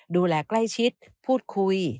ดูแลใกล้ชิดพูดคุย